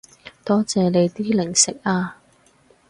多謝你啲零食啊